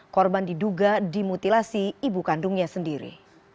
korban diduga dimutilasi ibu kandungnya sendiri